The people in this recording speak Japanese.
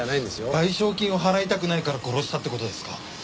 賠償金を払いたくないから殺したって事ですか？